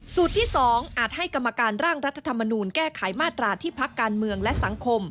ที่๒อาจให้กรรมการร่างรัฐธรรมนูลแก้ไขมาตราที่พักการเมืองและสังคม